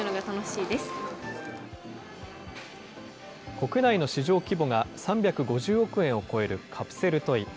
国内の市場規模が３５０億円を超えるカプセルトイ。